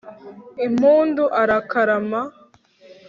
impundu arakarama